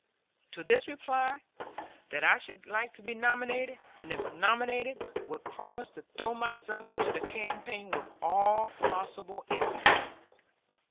To this I replied that I should like to be nominated, and if nominated would promise to throw myself into the campaign with all possible energy.